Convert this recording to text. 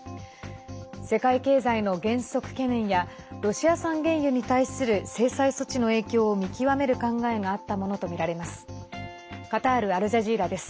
世界経済の減速懸念やロシア産原油に対する制裁措置の影響を見極める考えがあったものとみられます。